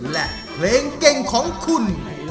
และเพลงเก่งของคุณ